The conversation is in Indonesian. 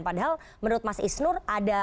padahal menurut mas isnur ada